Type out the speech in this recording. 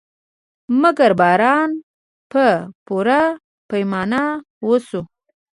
مګر باران په پوره پیمانه وشو.